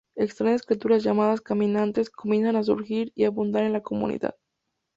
Extrañas criaturas llamadas "caminantes" comienzan a surgir y a abundar en la comunidad.